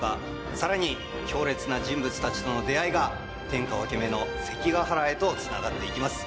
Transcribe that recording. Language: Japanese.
さらに強烈な人物たちとの出会いが天下分け目の関ヶ原へとつながっていきます。